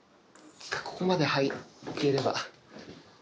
ここまでいければ。